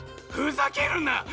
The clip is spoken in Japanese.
ふざけるな！